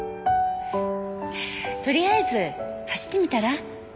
とりあえず走ってみたら？